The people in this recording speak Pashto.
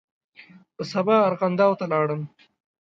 په سبا ارغنداو ته ولاړم.